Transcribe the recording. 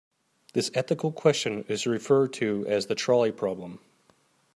This ethical question is referred to as the trolley problem.